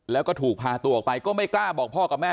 แล้วก็ถูกพาตัวออกไปก็ไม่กล้าบอกพ่อกับแม่